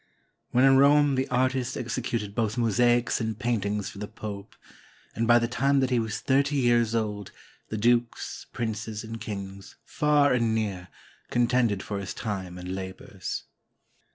When in Rome the artist exe cuted both mosaics and paintings for the Pope, and by the time that he was thirty years old, the dukes, princes, and kings, far and near, contended for his time and labors.